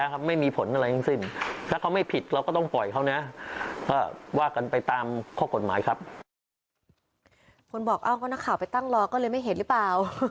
คนบอกอ้าวก็นักข่าวไปตั้งรอก็เลยไม่เห็นหรือเปล่า